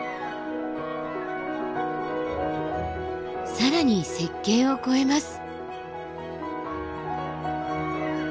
更に雪渓を越えます。